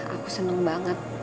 aku seneng banget